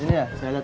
ini udah enak